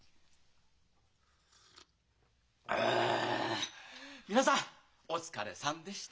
あ皆さんお疲れさんでした！